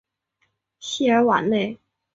西尔瓦内。